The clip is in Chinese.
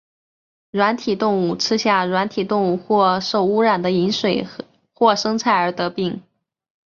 软体动物吃下软体动物或受污染的饮水或生菜而得病。